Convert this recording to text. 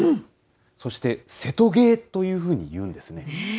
そして、瀬戸芸というふうにいうんですね。